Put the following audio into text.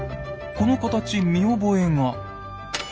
この形見覚えが。